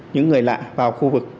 những người lạ vào khu vực